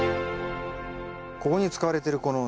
ここに使われてるこのネット。